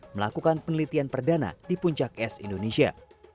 melakukan penelitian perdana di puncak es indonesia